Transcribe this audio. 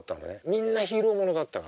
みんなヒーローものだったから。